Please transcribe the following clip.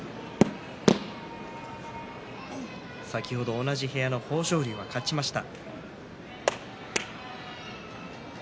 先ほど同じ部屋の豊昇龍が勝ちました。